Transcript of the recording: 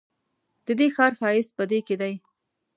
ددې ښار ښایست په دې کې دی.